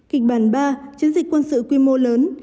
kịch bản ba chiến dịch quân sự quy mô lớn